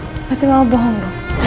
berarti kamu bohong